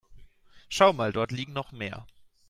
Schau mal, dort liegen noch mehr.